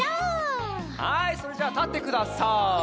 はいそれじゃあたってください。